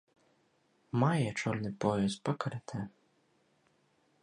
Мае чорны пояс па каратэ.